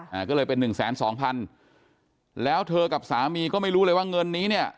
อ่าก็เลยเป็นหนึ่งแสนสองพันแล้วเธอกับสามีก็ไม่รู้เลยว่าเงินนี้เนี่ย